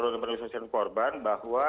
oleh perlindungan saksi dan korban bahwa